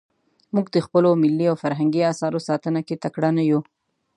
موږ د خپلو ملي او فرهنګي اثارو ساتنه کې تکړه نه یو.